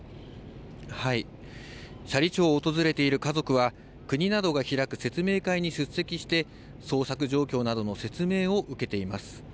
斜里町を訪れている家族は、国などが開く説明会に出席して、捜索状況などの説明を受けています。